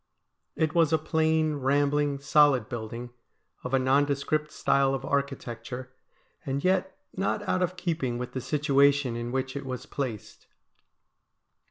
It was a plain, rambling, solid building, of a nondescript style of architecture, and yet not out of keeping with the situation in which it was placed.